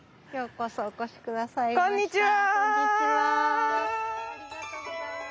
こんにちは！